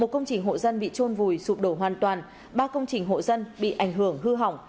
một công trình hộ dân bị trôn vùi sụp đổ hoàn toàn ba công trình hộ dân bị ảnh hưởng hư hỏng